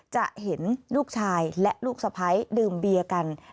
จะเห็นลูกชายและลูกสะพ้ายดื่มเบียร์กัน